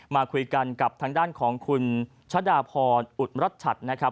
มาคุยกันกับทางด้านของคุณชะดาพรอุดมรัชชัดนะครับ